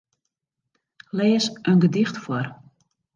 Lês in gedicht foar.